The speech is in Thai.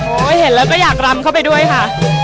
เห็นแล้วก็อยากรำเข้าไปด้วยค่ะ